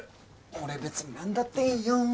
俺別に何だっていいよ。